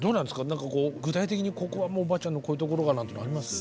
何かこう具体的にここはもうおばあちゃんのこういうところがなんていうのはあります？